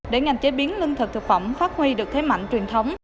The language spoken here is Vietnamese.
để ngành chế biến lương thực thực phẩm phát huy được thế mạnh truyền thống